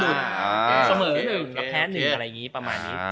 เสมอหนึ่งกับแพ้หนึ่งอะไรอย่างนี้ประมาณนี้